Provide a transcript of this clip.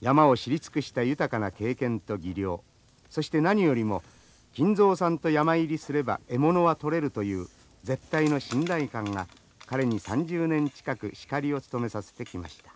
山を知り尽くした豊かな経験と技量そして何よりも金蔵さんと山入りすれば獲物は取れるという絶対の信頼感が彼に３０年近くシカリを務めさせてきました。